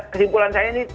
kesimpulan saya ini